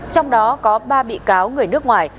trong đó có ba bị cáo người nước ngoài